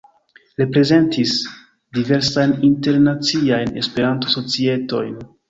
Reprezentis diversajn internaciajn Esperanto-societojn.